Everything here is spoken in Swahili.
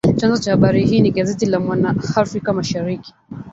Chanzo cha habari hii ni gazeti la "Mwana Afrika Mashariki"